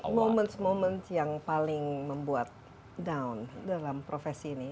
tapi momen momen yang paling membuat down dalam profesi ini